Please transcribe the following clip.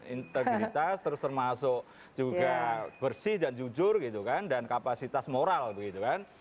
integritas terus termasuk juga bersih dan jujur gitu kan dan kapasitas moral begitu kan